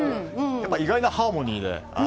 やっぱり意外なハーモニーで。